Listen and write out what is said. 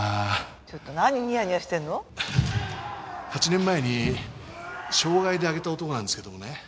８年前に傷害で挙げた男なんですけどもね。